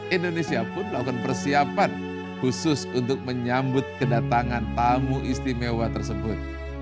indonesia pun melakukan persiapan khusus untuk menyambut kedatangan tamu istimewa tersebut